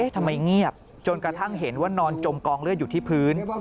ทำไมเงียบจนกระทั่งเห็นว่านอนจมกองเลือดอยู่ที่พื้น